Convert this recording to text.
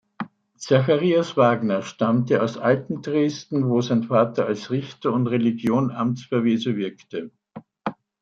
Zacharias Wagner stammte aus Altendresden, wo sein Vater als Richter und „Religion-Amts-Verweser“ wirkte.